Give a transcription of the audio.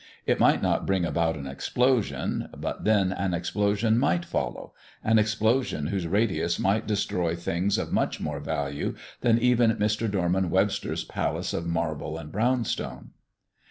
It might not bring about an explosion, but then an explosion might follow an explosion whose radius might destroy things of much more value than even Mr. Dorman Webster's palace of marble and brownstone.